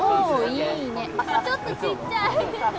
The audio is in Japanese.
ちょっとちっちゃい！